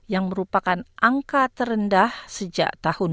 yang merupakan angka terendah sejak tahun dua ribu tujuh